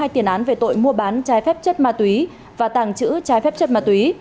có hai tiền án về tội mua bán chai phép chất ma túy và tàng trữ chai phép chất ma túy